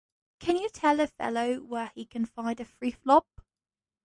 Can you tell a fellow where he can find a free flop?